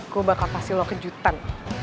gue bakal kasih lo kejutan